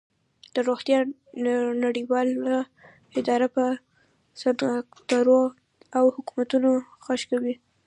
د روغتیا نړیواله اداره په صنعتکارو او حکومتونو غږ کوي